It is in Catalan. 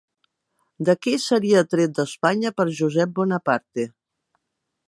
D'aquí seria tret d'Espanya per Josep Bonaparte.